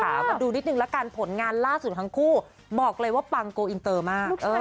ลูกชายมากนะ